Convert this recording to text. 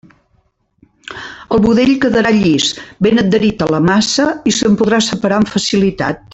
El budell quedarà llis, ben adherit a la massa i se'n podrà separar amb facilitat.